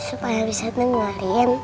supaya bisa dengerin